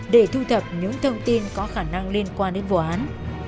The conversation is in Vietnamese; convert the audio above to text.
để thu thập những thông tin có khả năng liên quan đến vụ án